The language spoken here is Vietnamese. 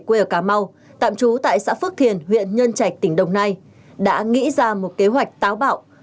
quê ở cà mau tạm trú tại xã phước thiền huyện nhân trạch tỉnh đồng nai đã nghĩ ra một kế hoạch táo bạo